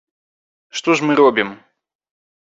Што ж мы робім?